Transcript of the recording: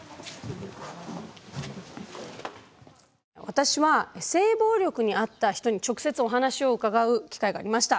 私は性暴力に遭った人に直接お話を伺う機会がありました。